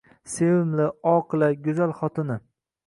Sevimli, oqila, go’zal xotini.